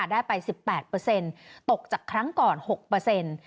ได้ไป๑๘ตกจากครั้งก่อน๖เปอร์เซ็นต์